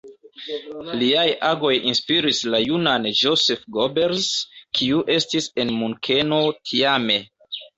Liaj agoj inspiris la junan Joseph Goebbels, kiu estis en Munkeno tiame.